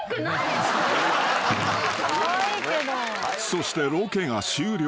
［そしてロケが終了］